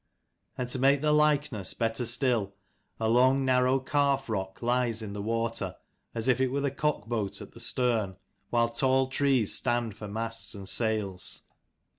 And to make the likeness better still, a long narrow calf rock lies in the water, as if it were the cockboat at the stern ; while tall trees stand for masts and sails.